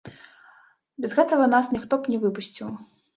Без гэтага нас ніхто б не выпусціў.